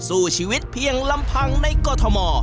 สู้ชีวิตเพียงลำพังในกรทม